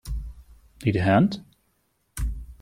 Need a hand?